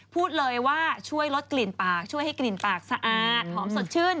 พูดเลยว่าช่วยลดกลิ่นปากช่วยให้กลิ่นปากสะอาดหอมสดชื่น